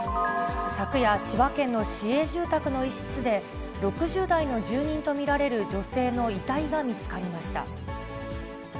昨夜、千葉県の市営住宅の一室で、６０代の住人と見られる女性の遺体が見つかりました。